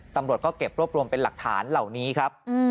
ตำรวจก็เก็บรวบรวมเป็นหลักฐานเหล่านี้ครับ